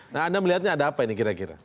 nah anda melihatnya ada apa ini kira kira